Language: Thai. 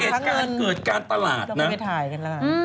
เออหน้าตลาดทั้งเงินต้องไปถ่ายกันแล้วฮะนี่เหตุการณ์เกิดกลางตลาดนะ